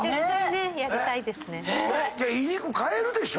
いい肉買えるでしょ？